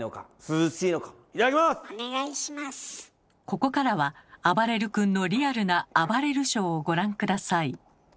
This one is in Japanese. ここからはあばれる君のリアルな「あばれるショー」をご覧下さい。